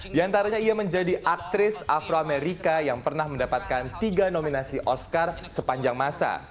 di antaranya ia menjadi aktris afro amerika yang pernah mendapatkan tiga nominasi oscar sepanjang masa